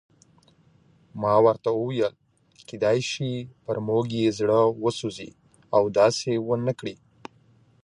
ما ورته وویل: کېدای شي پر موږ یې زړه وسوځي او داسې ونه کړي.